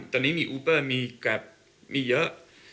ตอนนี้มีอูเปอร์มีแกรปมีเยอะ